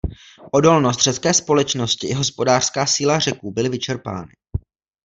Odolnost řecké společnosti i hospodářská síla Řeků byly vyčerpány.